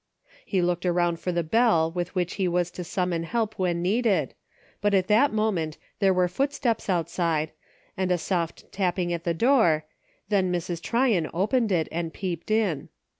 He looked around for the bell with which he was to summon help when needed, but at that moment there were footsteps outside, and a soft tapping at the door, then Mrs. Tryon opened it and peeped in.